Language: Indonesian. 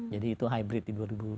jadi itu hybrid di dua ribu dua puluh